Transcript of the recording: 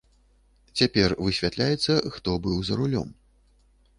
Цяпер высвятляецца, хто быў за рулём.